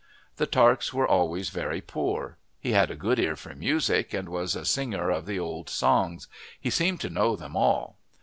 The Tarks were always very poor. He had a good ear for music and was a singer of the old songs he seemed to know them all.